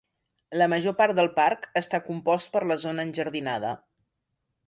La major part del parc està compost per la zona enjardinada.